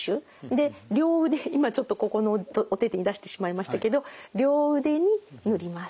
で両腕今ちょっとここのお手々に出してしまいましたけど両腕に塗ります。